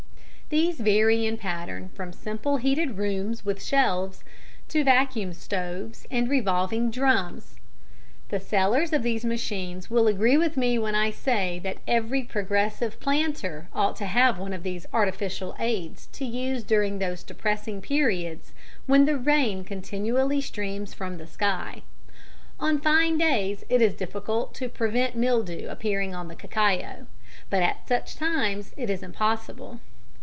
These vary in pattern from simple heated rooms, with shelves, to vacuum stoves and revolving drums. The sellers of these machines will agree with me when I say that every progressive planter ought to have one of these artificial aids to use during those depressing periods when the rain continually streams from the sky. On fine days it is difficult to prevent mildew appearing on the cacao, but at such times it is impossible.